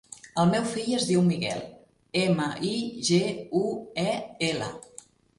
El meu fill es diu Miguel: ema, i, ge, u, e, ela.